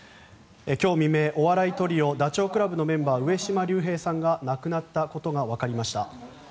今日未明、お笑いトリオダチョウ倶楽部のメンバー上島竜兵さんが亡くなったことがわかりました。